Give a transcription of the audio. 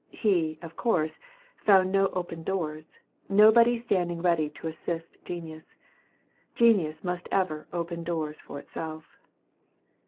He, of course, found no open doors, nobody standing ready to assist genius. Genius must ever open doors for itself.